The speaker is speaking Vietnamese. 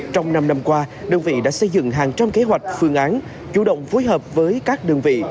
trong năm năm qua đơn vị đã xây dựng hàng trăm kế hoạch phương án chủ động phối hợp với các đơn vị